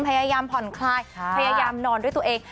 พยายามผ่อนคลายพยายามนอนด้วยตัวเอง